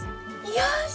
よし！